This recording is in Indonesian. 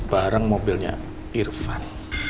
bareng mobilnya irfan